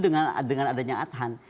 dengan adanya adhan